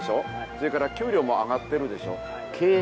それから給料も上がってるでしょ？